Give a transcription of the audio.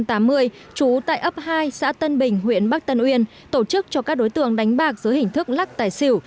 trú tại ấp hai xã tân bình huyện bắc tân uyên tổ chức cho các đối tượng đánh bạc dưới hình thức lắc tài xỉu